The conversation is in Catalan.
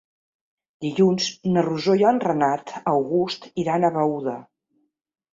Dilluns na Rosó i en Renat August iran a Beuda.